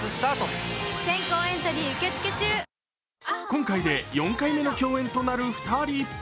今回で４回目の共演となる２人。